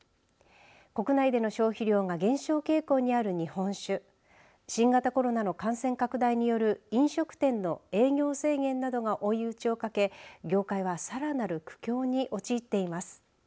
国内での消費量が減少傾向にある日本酒新型コロナの感染拡大による飲食店の営業制限などが追い打ちをかけ業界はさらなる苦境に陥っています。